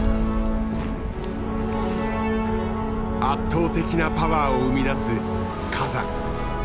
圧倒的なパワーを生み出す火山。